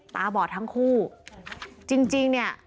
ตาบอดทั้งคู่จริงเนี่ย